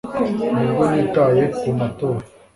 Ntabwo nitaye ku matora